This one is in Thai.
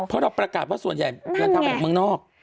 เพราะเราประกาศว่าส่วนใหญ่เดินทางมาจากเมืองนอก